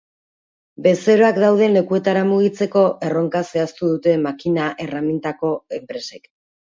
Bezeroak dauden lekuetara mugitzeko erronka zehaztu dute makina erremintako enpresek.